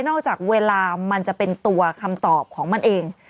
จากเวลามันจะเป็นตัวคำตอบของมันเอง